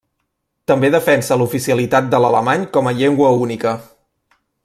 També defensa l'oficialitat de l'alemany com a llengua única.